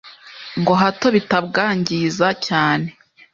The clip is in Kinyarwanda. ngo hato bitabwangiza cyane